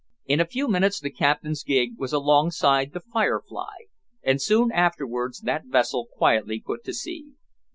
In a few minutes the captain's gig was alongside the "Firefly," and soon afterwards that vessel quietly put to sea.